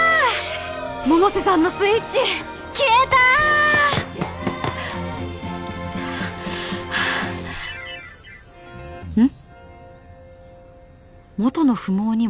百瀬さんのスイッチ消えたうん？